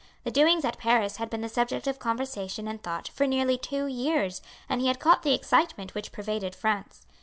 The doings at Paris had been the subject of conversation and thought for nearly two years, and he had caught the excitement which pervaded France.